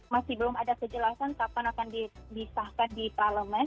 masih belum ada kejelasan kapan akan disahkan di parlemen